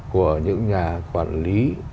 của những nhà quản lý